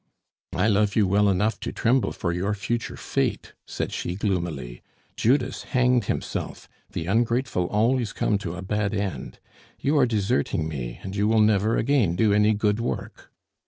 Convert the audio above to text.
"I love you well enough to tremble for your future fate," said she gloomily. "Judas hanged himself the ungrateful always come to a bad end! You are deserting me, and you will never again do any good work.